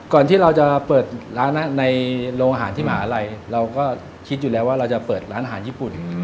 ที่เราจะเปิดร้านในโรงอาหารที่มหาลัยเราก็คิดอยู่แล้วว่าเราจะเปิดร้านอาหารญี่ปุ่น